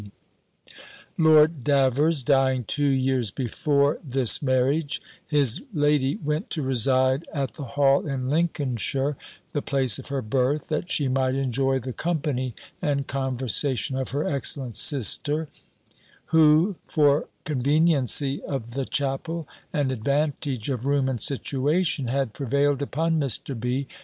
Lord DAVERS dying two years before this marriage, his lady went to reside at the Hall in Lincolnshire, the place of her birth, that she might enjoy the company and conversation of her excellent sister; who, for conveniency of the chapel, and advantage of room and situation, had prevailed upon Mr. B.